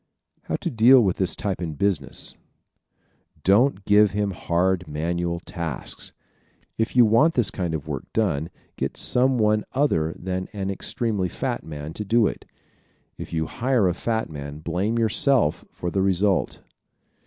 How to Deal with this Type in Business ¶ Don't give him hard manual tasks. If you want this kind of work done get some one other than an extremely fat man to do it. If you hire a fat man blame yourself for the result.